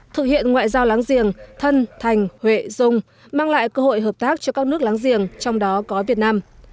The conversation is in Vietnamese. thực hiện ngoại giao láng giềng thân thành huệ dung mang lại cơ hội hợp tác cho các nước láng giềng trong đó có việt nam